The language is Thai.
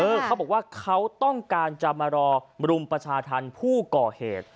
เขาบอกว่าเขาต้องการจะมารอรุมประชาธรรมผู้ก่อเหตุ